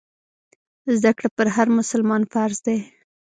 زده کړه پر هر مسلمان فرض دی.